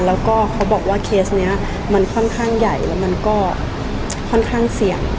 แล้วก็เขาบอกว่าเคสนี้มันค่อนข้างใหญ่แล้วมันก็ค่อนข้างเสี่ยง